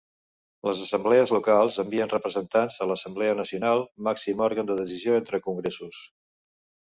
Les Assemblees Locals envien representants a l'Assemblea Nacional, màxim òrgan de decisió entre congressos.